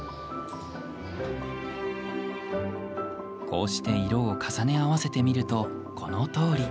こうして色を重ね合わせてみるとこのとおり。